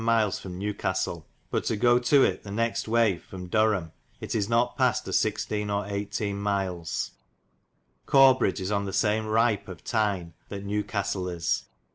miles from Newcastelle: But to go to it the next way from Duresme it is not past a 16. or 18. miles. Corbridge is on the same ripe of Tine that New Cas telle is.